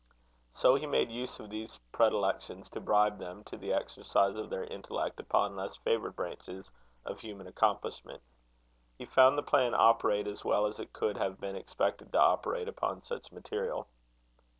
So he made use of these predilections to bribe them to the exercise of their intellect upon less favoured branches of human accomplishment. He found the plan operate as well as it could have been expected to operate upon such material.